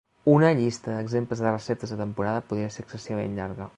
Una llista d'exemples de receptes de temporada podria ser excessivament llarga.